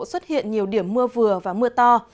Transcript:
xuất hiện nhiều điểm mưa vừa và mưa to